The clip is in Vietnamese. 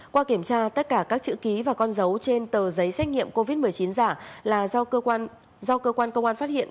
qua kiểm tra tất cả các chữ ký và con dấu trên tờ giấy xét nghiệm covid một mươi chín giả là do cơ quan công an phát hiện